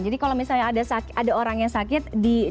jadi kalau misalnya ada orang yang sakit